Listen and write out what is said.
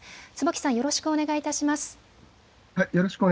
坪木さん、よろしくお願いいたします。